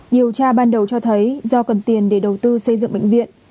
điều tra ban đầu cho thấy do cần tiền để đầu tư xây dựng bệnh viện